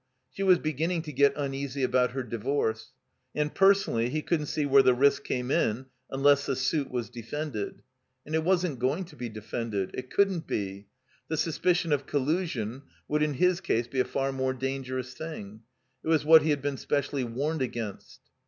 She was beginning to get tineasy about her divorce. And, personally, he couldn't see where the risk came in tinless the suit was defended. And it wasn't going to be defended. It couldn't be. The suspicion of collusion would in his case be a far more dangerous thing. It was what he had been specially warned against.